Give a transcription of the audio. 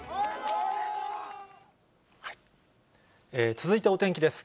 続いてお天気です。